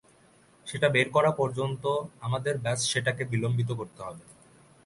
সেটা বের করা পর্যন্ত আমাদের ব্যস সেটাকে বিলম্বিত করতে হবে।